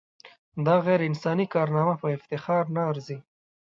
دا غیر انساني کارنامه په افتخار نه ارزي.